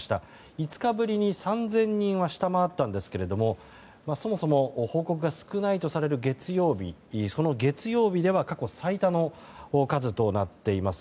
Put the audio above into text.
５日ぶりに３０００人は下回ったんですがそもそも報告が少ないとされる月曜日その月曜日では過去最多の数となっています。